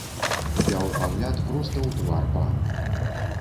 Упяў пагляд проста ў твар пану.